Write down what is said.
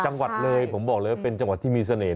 จังหวัดเลยผมบอกเลยว่าเป็นจังหวัดที่มีเสน่ห